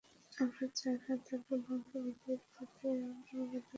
আমরা চাই না তার বংশবৃদ্ধির পথে আর কোনো বাঁধা আসুক।